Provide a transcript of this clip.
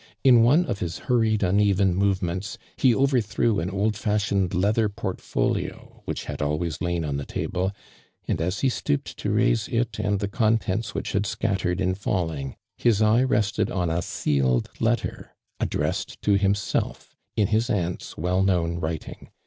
In one of his hurried, uneven movements, he over threw an old fashioned leather portfolio vThich had always lain on the table, and as he stooped to 'raise it and the contents which had s«vttered in falling, his eye rest ed on a sealed letter, addressed to himself, in his aunt's well known writing.